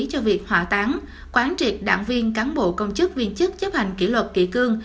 cho việc hỏa tán quán triệt đảng viên cán bộ công chức viên chức chấp hành kỷ luật kỷ cương